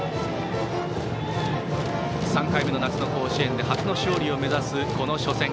３回目の夏の甲子園で初の勝利を目指す、この初戦。